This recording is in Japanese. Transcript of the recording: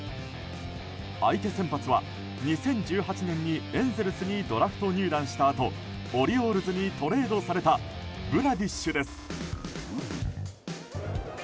相手先発は、２０１８年にエンゼルスにドラフト入団したあとオリオールズにトレードされたブラディッシュです。